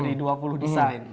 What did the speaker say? lebih banyak dari dua puluh desain